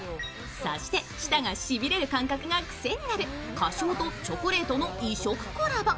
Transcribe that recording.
そして舌がしびれる感覚がクセになる、花椒とチョコレートの異色コラボ。